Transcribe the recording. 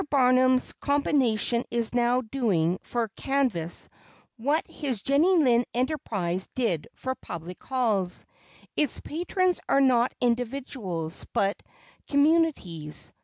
Barnum's combination is now doing for canvas what his Jenny Lind enterprise did for public halls. Its patrons are not individuals, but communities.